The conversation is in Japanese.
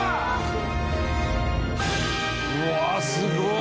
うわすごい！